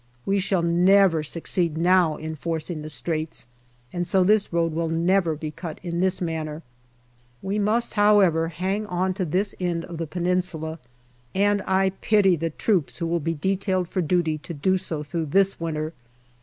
We shall never succeed now in forcing the Straits, and so this road will never be cut in this manner. We must, however, hang on to this end of the Peninsula, and I pity the troops who will be detailed for duty to do so through this winter.